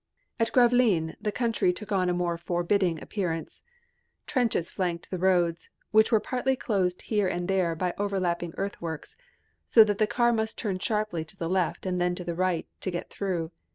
At Gravelines the country took on a more forbidding appearance. Trenches flanked the roads, which were partly closed here and there by overlapping earthworks, so that the car must turn sharply to the left and then to the right to get through.